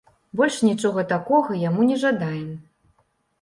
Больш нічога такога яму не жадаем.